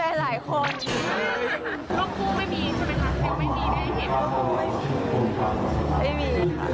ไม่มี